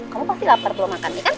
kamu pasti lapar belom makan nih kan